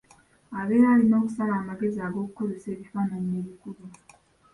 Abeera alina okusala amagezi ag’okukozesa ebifaananyi ebikube.